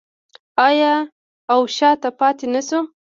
آیا او شاته پاتې نشو؟